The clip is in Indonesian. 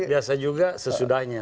biasa juga sesudahnya